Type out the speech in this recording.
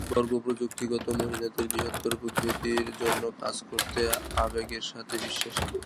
বর্গ প্রযুক্তিগত মহিলাদের বৃহত্তর প্রতিনিধিত্বের জন্য কাজ করতে আবেগের সাথে বিশ্বাসী।